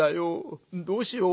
どうしよう？